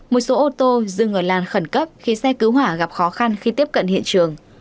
một số ô tô dừng ở làn khẩn cấp khiến xe cứu hỏa gặp khó khăn khi tiếp cận hiện trường